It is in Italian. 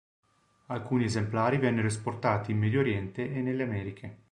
Alcuni esemplari vennero esportati in oriente e nelle americhe.